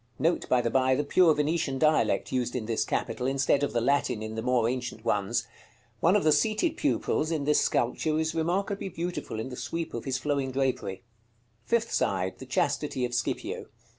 Note, by the by, the pure Venetian dialect used in this capital, instead of the Latin in the more ancient ones. One of the seated pupils in this sculpture is remarkably beautiful in the sweep of his flowing drapery. Fifth side. The chastity of Scipio.